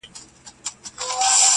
سړیتوب په ښو اوصافو حاصلېږي,